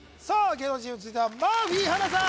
芸能人チーム続いてはマーフィー波奈さん